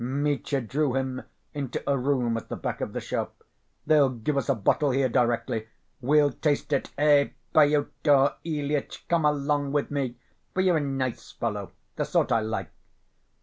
Mitya drew him into a room at the back of the shop. "They'll give us a bottle here directly. We'll taste it. Ech, Pyotr Ilyitch, come along with me, for you're a nice fellow, the sort I like."